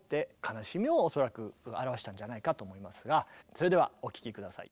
それではお聴き下さい。